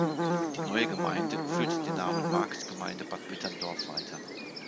Die neue Gemeinde führt den Namen Marktgemeinde Bad Mitterndorf weiter.